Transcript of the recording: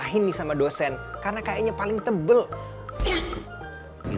nah ini juga dengan koalisi indonesia bersatu sebagai koalisi yang telah terbentuk sejak awal